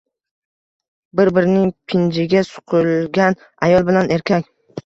Bir-birining pinjiga suqilgan ayol bilan erkak.